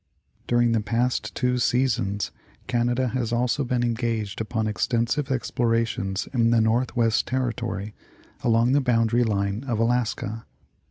During the past two seasons Canada has also been engaged upon extensive explorations in the Northwest territory, along the boundary line of Alaska.